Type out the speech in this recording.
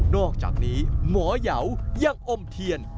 อกจากนี้หมอยาวยังอมเทียน